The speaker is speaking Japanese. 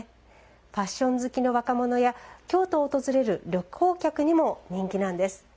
ファッション好きの若者や京都を訪れる旅行客にも人気なんです。